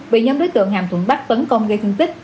bị nhóm đối tượng hàm thuận bắc tấn công gây thương tích